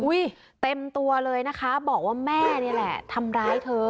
เต็มตัวเลยนะคะบอกว่าแม่นี่แหละทำร้ายเธอ